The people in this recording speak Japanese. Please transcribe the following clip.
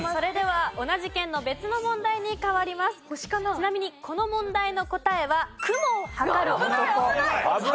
ちなみにこの問題の答えは『雲を測る男』。